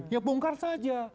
ya bongkar saja